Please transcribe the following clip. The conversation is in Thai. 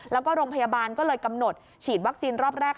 แล้วก็โรงพยาบาลก็เลยกำหนดฉีดวัคซีนรอบแรก